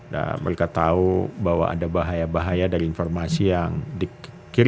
nah mereka tahu bahwa ada bahaya bahaya dari informasi yang dikirim